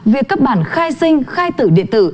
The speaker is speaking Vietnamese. việc cấp bản khai sinh khai tử điện tử